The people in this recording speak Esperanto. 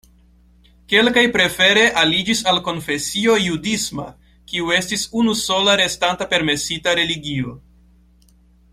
Kelkaj prefere aliĝis al konfesio judisma, kiu estis unusola restanta permesita religio.